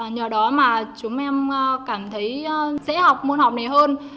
nhờ đó mà chúng em cảm thấy dễ học môn học này hơn